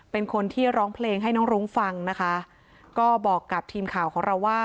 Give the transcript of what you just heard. เป็นคนที่ร้องเพลงให้น้องรุ้งฟังนะคะก็บอกกับทีมข่าวของเราว่า